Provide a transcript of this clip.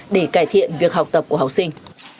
để cải thiện việc học tập của học sinh